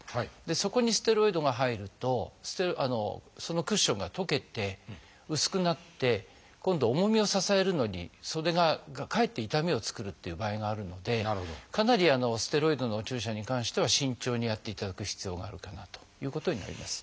そこにステロイドが入るとそのクッションが溶けて薄くなって今度重みを支えるのにそれがかえって痛みを作るっていう場合があるのでかなりステロイドのお注射に関しては慎重にやっていただく必要があるかなということになります。